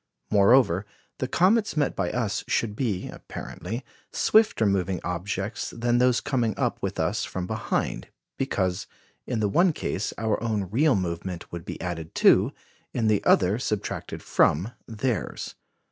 Moreover, the comets met by us should be, apparently, swifter moving objects than those coming up with us from behind; because, in the one case, our own real movement would be added to, in the other subtracted from, theirs.